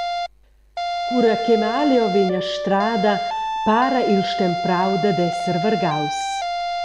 Cura ch’Emalio vegn a strada para il stemprau dad esser vargaus.